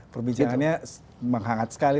perbincangannya memang hangat sekali